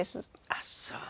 あっそう！